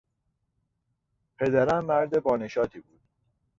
پدرم مرد با نشاطی بود.